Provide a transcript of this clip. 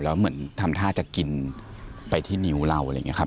แล้วเหมือนทำท่าจะกินไปที่นิ้วเราอะไรอย่างนี้ครับ